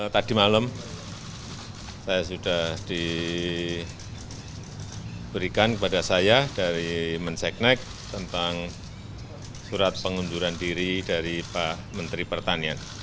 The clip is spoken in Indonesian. tadi malam saya sudah diberikan kepada saya dari menseknek tentang surat pengunduran diri dari pak menteri pertanian